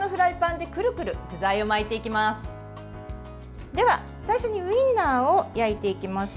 では、最初にウインナーを焼いていきます。